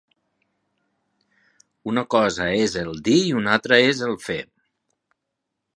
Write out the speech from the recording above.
Una cosa és el dir i una altra és el fer.